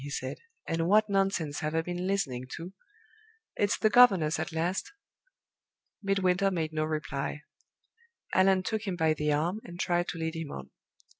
he said. "And what nonsense have I been listening to! It's the governess at last." Midwinter made no reply. Allan took him by the arm, and tried to lead him on.